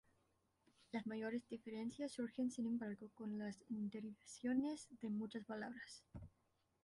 Las mayores diferencias surgen, sin embargo, con las derivaciones de muchas palabras.